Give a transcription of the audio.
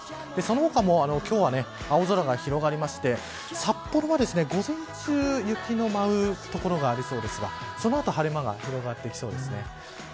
その他も今日は青空が広がりまして札幌は午前中、雪の舞う所がありそうですがその後、晴れ間が広がってきそうです。